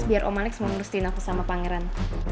biar om alex mau ngusirin aku sama pangeran